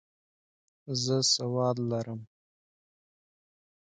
زه سواد لرم.